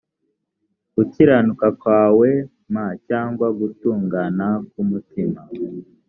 gukiranuka kwawe m cyangwa gutungana k umutima